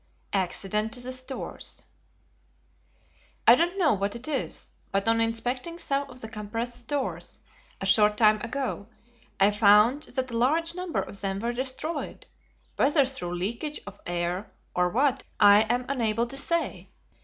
Accident to the Stores. "I don't know what it is, but on inspecting some of the compressed stores, a short time ago, I found that a large number of them were destroyed, whether through leakage of air, or what, I am unable to say.